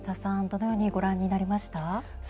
どのようにご覧になりました？